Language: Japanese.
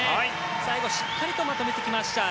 最後しっかりとまとめてきました。